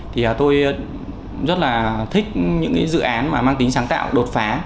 thì tôi rất là thích những cái dự án mà mang tính sáng tạo đột phá